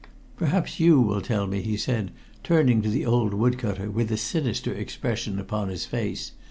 "Perhaps you will tell me," he said, turning to the old wood cutter with a sinister expression upon his face.